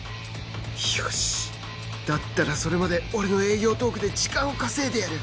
よしだったらそれまで俺の営業トークで時間を稼いでやる！